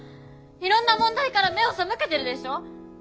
いろんな問題から目を背けてるでしょ！